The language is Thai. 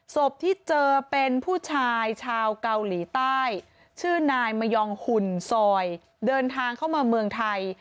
ศพที่เจอเป็นผู้ชายชาวเกาหลีใต้ชื่อนายมะยองหุ่นซอยเดินทางเข้ามาเมืองไทย